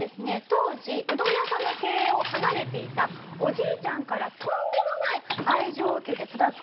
当時うどん屋さんの経営を離れていたおじいちゃんからとんでもない愛情を受けて育つ事になるんです。